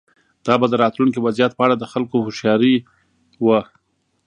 دا به د راتلونکي وضعیت په اړه د خلکو هوښیاري وه.